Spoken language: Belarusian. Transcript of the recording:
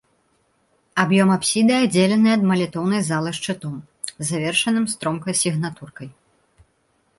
Аб'ём апсіды аддзелены ад малітоўнай залы шчытом, завершаным стромкай сігнатуркай.